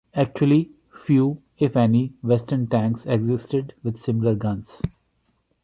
Actually, few, if any, western tanks existed with similar guns.